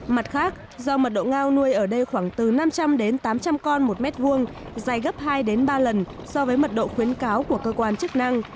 mặt khác do mật độ ngao nuôi ở đây khoảng từ năm trăm linh đến tám trăm linh con một m hai dài gấp hai ba lần so với mật độ khuyến cáo của cơ quan chức năng